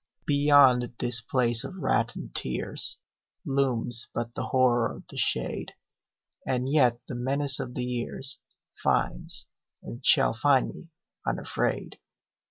Beyond this place of wrath and tears Looms but the horror of the shade, And yet the menace of the years Finds, and shall find me, unafraid.